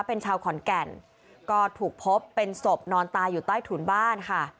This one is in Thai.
เป็นชาวขอนแก่นก็ถูกพบเป็นศพนอนตายอยู่ใต้ถุนบ้านค่ะ